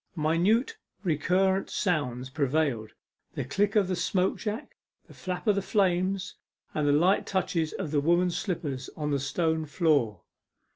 Minute recurrent sounds prevailed the click of the smoke jack, the flap of the flames, and the light touches of the women's slippers upon the stone floor.